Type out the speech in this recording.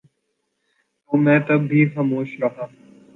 تو میں تب بھی خاموش رہا